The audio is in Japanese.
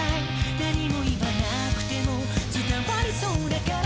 「何も言わなくても伝わりそうだから」